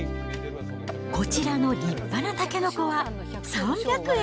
こちらの立派なたけのこは、３００円。